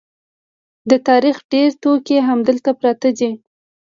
د تاریخ ډېر توکي همدلته پراته دي.